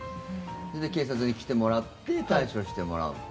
警察に来てもらって対処してもらう。